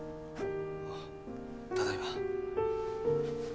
あただいま。